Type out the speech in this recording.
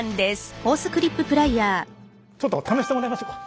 ちょっと試してもらいましょか。